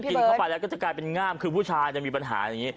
กินเข้าไปแล้วก็จะกลายเป็นง่ามคือผู้ชายจะมีปัญหาอย่างนี้